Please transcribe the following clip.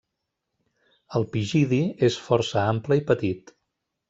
El pigidi és força ample i petit.